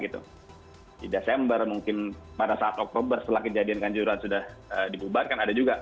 di desember mungkin pada saat oktober setelah kejadian kanjuran sudah dibubarkan ada juga